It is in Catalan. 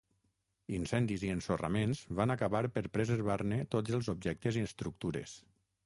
Incendis i ensorraments van acabar per preservar-ne tots els objectes i estructures.